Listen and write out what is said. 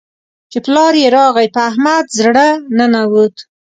چې پلار يې راغی؛ په احمد زړه ننوت.